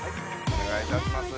お願いいたします。